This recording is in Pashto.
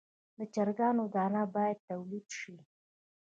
د چرګانو دانه باید تولید شي.